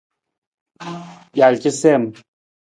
Jal casiim.